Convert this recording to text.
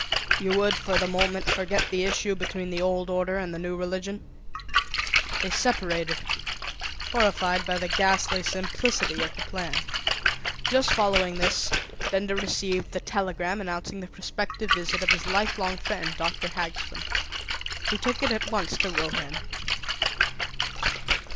You would for the moment, forget the issue between the old order and the new religion." They separated, horrified by the ghastly simplicity of the plan. Just following this, Benda received the telegram announcing the prospective visit of his lifelong friend, Dr. Hagstrom. He took it at once to Rohan.